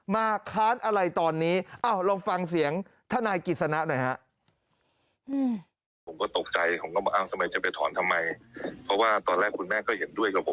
มาค้านอะไรตอนนี้เอ้าลองฟังเสียงธนายกิจสนาศรีหน่อยฮะ